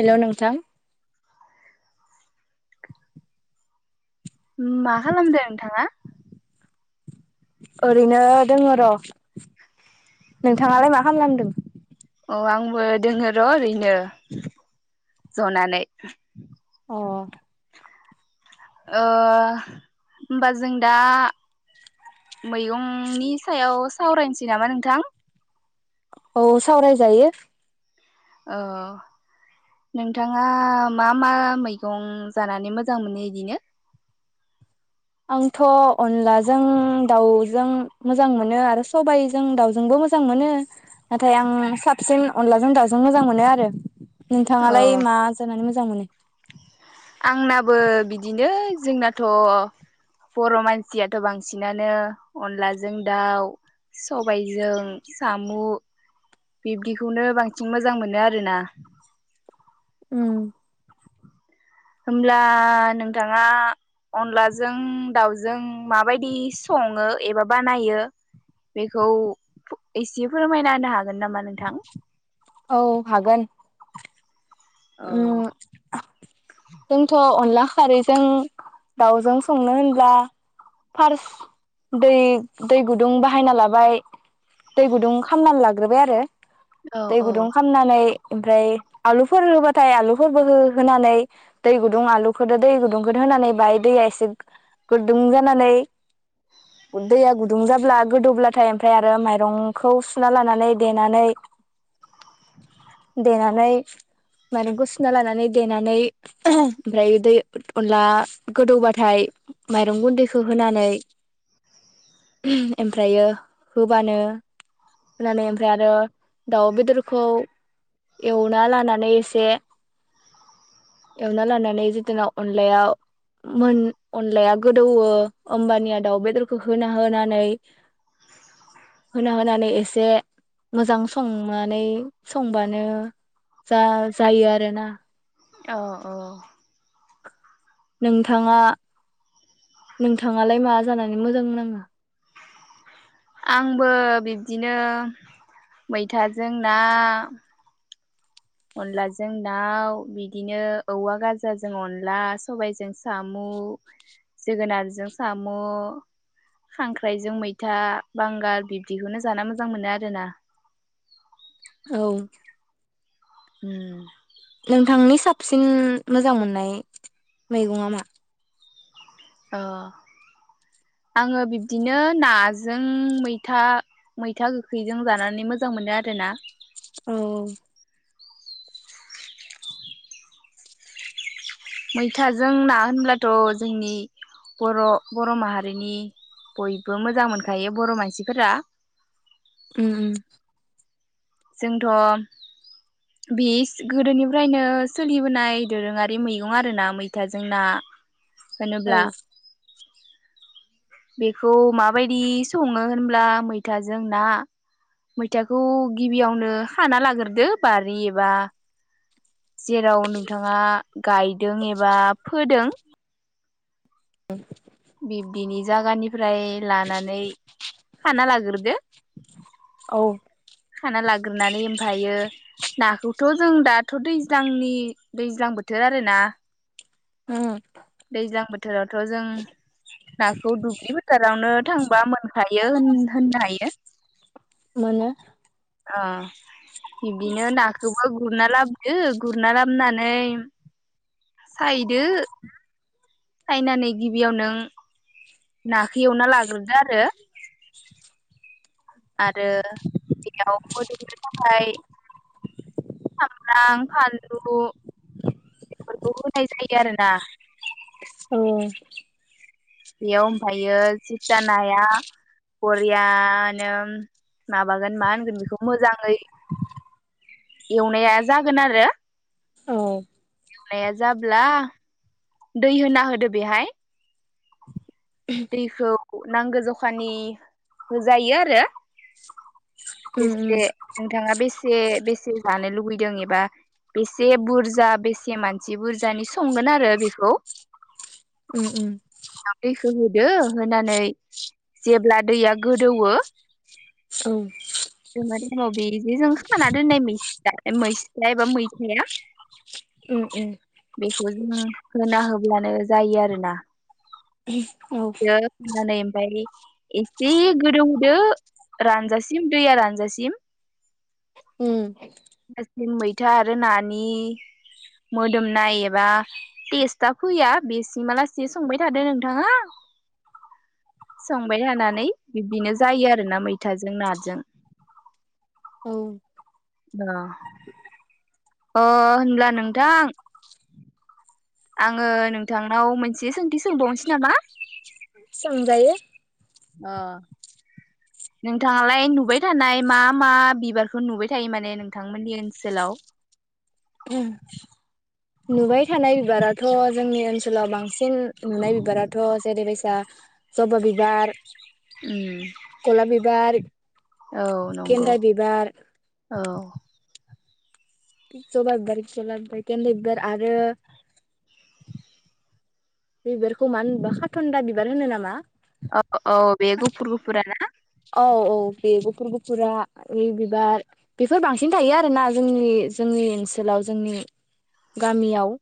hello नोंथां [inaudible] मा खालामदों नोंथाङा ओरैनो दोङो र' नोंथाङालाय मा खालामलांदों औ आंबो दोङो र' ओरैनो जनानै अ ओ होमबा जों दा मैगंनि सायाव सावरायनोसै नामा नोंथां औ सावरायजायो औ नोंथाङा मा मा मैगं जानानै मोजां मोनो इदिनो आंथ' अनलाजों दाउजों मोजां मोनो आरो सबायाइजों दाउजोंबो मोजां मोनो नाथाय आं साबसिन अनलाजों दाउजों मोजां मोनो आरो अ नोंथाङालाय मा जानानै मोजां मोनो आंनाबो बिदिनो जोंनाथ' बर' मानसियाथ' बांसिनानो अनलाजों दाउ सबायजों साम' बिब्दिखौनो बांसिन मोजां मोनो आरोना उम होमब्ला नोंथाङा अनलाजों दाावजों माबायदि सङो एबा बानायो बेखौ एसे फोरमायना होनो हागो नामा नोंथां औ हागोन औ उम जोंथ' अनला खारैजों दावजों संनो होनब्ला फार्स्ट दै दै गुदुं बाहायना लाबाय दै गुदुं खालामामनानै लाग्रोबाय आरो औ दै गुदुं औ खामनानै ओमफ्राय आलुफोर होबा थाय आलुफोरबो हो होनानै दै गुदुं आलुखौ दै गुदुंखौ होनानै बाहाय दैया एसे गुदुं जानानै दैया गुदुं जाब्ला गोदौब्लाथाय ओमफ्राय आरो माइरंखौ सुना लानानै देनानै देनानै माइरंखौ सुना लानानै देनानै ओमफ्राय दै अनला गोदौबाथाय माइरं गुन्दैखौ होनानै ओमफ्रायो होबानो होनानै ओमफ्राय आरो दाउ बेदरखौ एवना लानानै एसे एवना लानानै जिथुना अनलाया मोन अनलाया गोदौवो होमबानिया दाउ बेदरखौ होना होनानै होना होनानै एसे मोजां संनानै संबानो जा जायो आरोना औ औ नोंथाङा नोंथाङालाय मा जानानै मोजां नाङो आंबो बिब्दिनो मैथाजों ना अनलाजों दाउ बिदिनो औवा गाजाजों अनला सबायजों सामु' जोगोनारजों सामु' खांख्राइजों मैथा बांगाल बिब्दिखौनो जाना मोजां मोनो आरोना औ उम नोंथांनि साबसंसिन मोजां मोननाय मैगंआ मा ओ आङो बिब्दिनो नाजों मैथा मैथा गोखैजों जानानै मोजां मोनो आरोना औ औ मैथाजों ना होनब्लाथ' जोंनि बर' बर' माहारिनि बयबो मोजां मोनखायो बर' मानसिफोरा उम उम जोंथ' बे गोदोनिफ्रायनो सोलिबोनाय दोरोङारि मैगं आरोना मैथाजों ना होनोब्ला औ बेखौ माबायदि सङो होनब्ला मैथाजों ना मैथाखौ गिबियावनो खाना लाग्रोदो बारि एबा जेराव नोंथाङा गायदों एबा फोदों [inaudible] बिब्दिनि जागानि फ्राय लानानै खाना लाग्रोद दो औ खाना लाग्रोनानै ओमफायो नाखौ थ' जों दाथ' दैज्लांनि दैज्लां बोथोर आरोना उम दैज्लां बोथोरावथ' जों नाखौ दुब्लि फोथारावनो थांबा मोनखायो होन होननो हायो [unintelligible] आ बिबदिनो नाखौ आव गुरना लाबोदो गुरना लाबोननानै सायदो सायनानै गिबियाव नों नाखौ एवना लाग्रोदो आरो आरो बेयाव मोदोमनो थाखाय सामब्राम फानलु बेफोरखौ होनाय जायो आरोना औ बेयाव ओमफायो सिता नाया बरियानो माबागोन मा होनगोन बेखौ मोजाङै एवनाया जागोन आरो औ नाया जाब्ला दै होना होदो बेहाय दैखौ नांगो जखानि होजायो आरो उम बेसे नोंथाङा बेसे बेस बेसे जानो लुुबैदों एबा बेसे बुरजा बेसे मानसि बुरजानि संगोन आरो बेखौ उम उम होहोदो होनानै जेब्ला दैया गोदौऔ औ [unintelligible] बेजों सुखाना दोननायनि दा मैसया एबा मैथाया उम उम बेखौ जों होना होब्लानो जायो आरोना औ दो होनानै ओमफ्राय एसे गोदौहदो रानजासिम दैया रानजासिम उम फोथा आरो नानि मोन दोमनाय एबा टेस्टा फैया बेसिम आलासि संबाय थादो नोंथाङा संबाय थानानै बिबदिनो जायो आरोना मैथाजों नों औ अ होनब्ला नोंथां आङो नोंथांनाव मोनसे सोंथि सोंबावनोसै नामा सोंजायो ओ नोंथाङालाय नुबाय थानाय मा मा बिबारखौ नुबाय थायो माने नोंथांमोननि ओनसोलाव उम नुबाय थानाय बिबाराथ' जोंनि ओनसोलाव बांसिन बांसिन नुनाय बिबाराथ' जेरैबाय दा जबा बिबार उम गलाब बिबार औ नंगौ गेन्दा बिबार औ जबा बिबार [unintelligible] गेनदा बिबार आरो बिबारखौ मानो बा होनोबा खाथनदा बिबार होनो नामा ओ औ औ बे गुफुर गुफुरा ओ बिबार बेफोर बांसिन थायो आरोना जोंनि जोंनि ओनसोलाव जोंनि गामियाव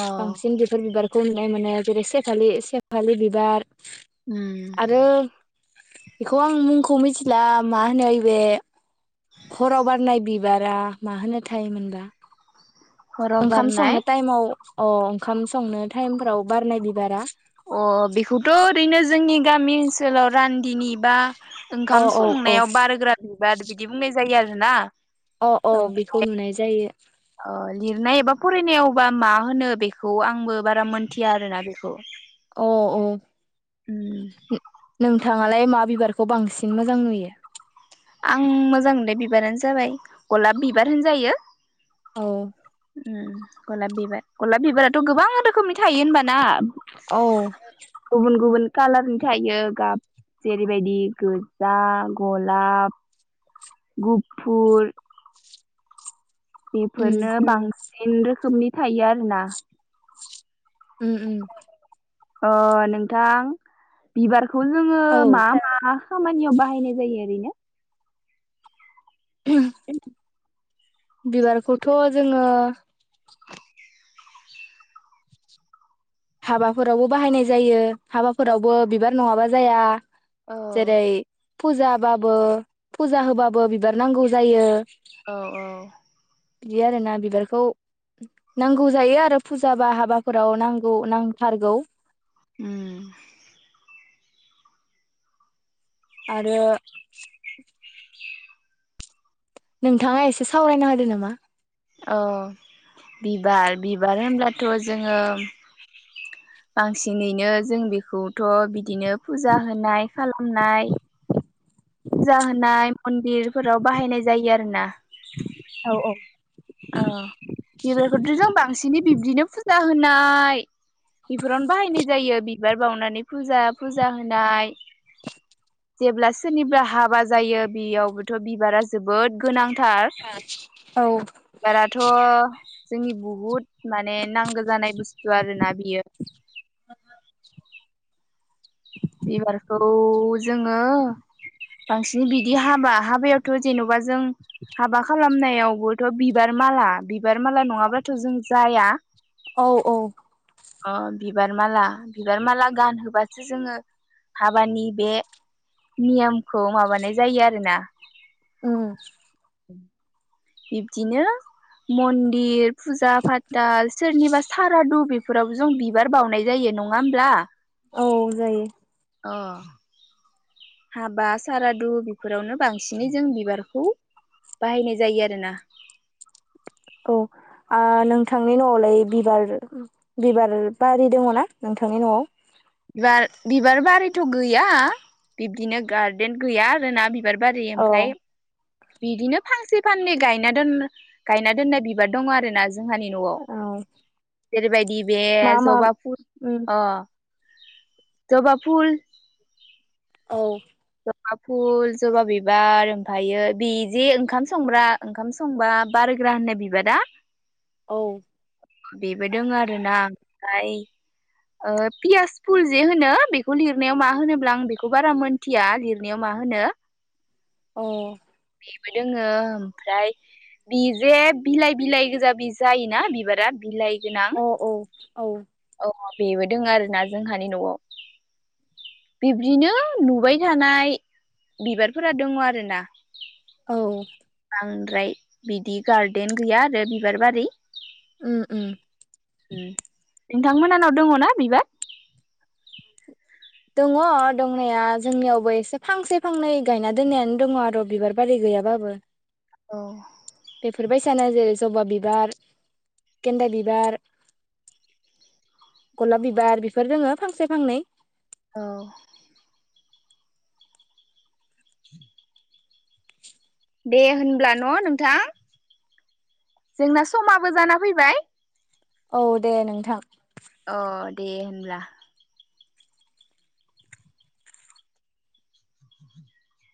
औ बांसिन बिफोर बिबार खमनाय मोनो जेरै सेफा सेफालि बिबार उम आरो बेखौ आं मुंखौ मिथिला मा होनो ओइबे हराव बारनाय बि बिबारा माहोनो थायोमोनबा हराव ओंखाम बारनाय संनो टाइमाव अ ओंखाम संनो टाइमफोराव बारनाय बिबारा अ बेखौथ' ओरैनो जोंनि गामि ओनसोलाव रान्दिनि बा अ ओंखाम औ औ संनायाव बारग्रा बिबार बिदि बुंनाय जायो जायो आरोना अ औ ओमफ्राय बेखौ नुनाय जायो अ लिरनाय एबा फरायनायावबा मा होनो बेखौ आंबो बारा मोनथिया आरोना बेखौ औ औ उम नोंथाङालाय मा बिबारखौ बांसिन मोजां नुयो आं मोजां मोनदों बिबारानो जाबाय गलाप बिबार होनजायो औ गलाब बिबार गलाब बिबाराथ' गोबां रोखोमनि थायो होनबा ना औ कालारनि थायो गाब जेरैबायदि गोजा गलाब गुफुर उम बेफोरनो बांसिन सिन रोखोमनि थायो आरो ना उम उम अ नोंथां बिबार बेखौ जोङो औ मा मा खामानियाव बाहायनाय जायो ओरैनो [unintelligible] बिबारखौथ' जोङो हाबाफोरावबो बाहायनाय जायो औ हाबाफोरावबो बिबार नङाबा जाया औ जेरै फुजाबाबो फुजा होबाबो बिबार नांगौ जायो औ औ बिदि आरोना बिबारखौ नांगौ जायो आरो फुजा बा हाबाफोराव नांगौ नांथारगौ उम आरो [inaudible] नोंथाङा एसे सावरायना होदो नामा औ बिबार बिबार होनब्लाथ' जोङो बांसिनैनो जों बेखौथ' बिदिनो फुजा होनाय खालामनाय फुजा होनाय मन्दिरफोराव बाहायनाय जायो आरो ना औ बांसिनै बिब्दिनो फुजा होनाय बेफोरावनो बाहायनाय जायो बिबार बावनानै फुजा फुजा होनाय जेब्ला सोरनिबा हाबा जायो बेयावबोथ' बिबारा जोबोद गोनां औ बाराथ' जोंनि बुहुद माने नांगौ जानाय बुस्थु आरो ना बियो बिबारखौ जोङो बांसिन बिदि हाबा हाबायावथ' जेन'बा जों हाबा खालामनाय यावबोथ' बिबार माला बिबार माला नङाबाथ' जों जाया औ औ अ बिबार माला बिबार माला गानहोबासो जोङो हाबानि बे नियमखौ माबानाय जायो आरोना ओम [inaudible] बिब्दिनो मन्दिर फुजा फाथाल सोरनिबा सारादु बेफोरावबो जों बिबार बावनाय जायो नङा होमब्ला औ जायो अ हाबा सारादु बेफोरावनो बांसिनै जों बिबारखौ बाहायनाय जायो आरोना औ आ नोंथांनि न'आवलाय बिबार बिबार बारि दङ ना नोंथांनि न'आव बिबार बिबार बारिथ' गैया बिबदिनो गारदेन गैया आरोना बिबार बारि औ ओमफ्राय बिदिनो फांसे फाननै गायना दोन गायना दोननाय बिबार दङ आरोना जोंहानि न'आव औ जेरैबायदि बे मा मा जबाफुर उम अ जबा फुल औ जबा फुल जबा बिबार ओमफायो बे जे ओंखाम संग्रा ओंखाम संबा बारग्रा होननाय बिबारा औ बेबो दङो आरोना आमफाय ओ पियास फुल जे होनो बेखौ लिरनायाव मा होनोब्ला आं बेखौ बारा मोन मोनथिया लिरनायाव मा होनो औ बेबो दोङो ओमफ्राय बि जे बिलाइ बिलाइ गोजा बि जायोना बिबारा बिलाइ गोनां अ औ औ अ बेबो दङ आरोना जोंहानि न'आव बिब्दिनो नुबाय थानाय बिबारफोरा दङ आरो ना औ बांद्राय बिदि गार्देन गैया आरो बिबार बारि उम उम उम नोंथांमोनानाव दङ ना बिबार दङ दंनाया जोंनियावबो एसे फांसे फांनै गायना दोननायानो दङ आरो बिबार बारि गैयाबाबो औ बेफोरबायसानो जेरै जबा बिबार गेन्दा बिबार गलाब बिबार बेफोर दोङो फांसे फांनै औ [inaudible] दे होनब्ला न' नोंथां जोंना समाबो जाना फैबाय औ दे नोंथां अ दे होमब्ला [inaudible]